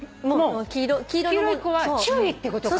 黄色い子は注意ってことか。